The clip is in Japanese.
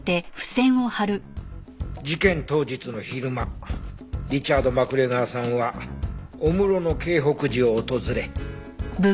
事件当日の昼間リチャード・マクレガーさんは御室の京北寺を訪れ。